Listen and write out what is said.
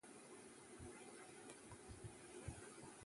ദശാംശം ആറ് ശതമാനം മാത്രമാണ് ഈയാഴ്ച വര്ധനവുണ്ടായത്.